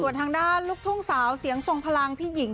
ส่วนทางด้านลูกทุ่งสาวเสียงทรงพลังพี่หญิง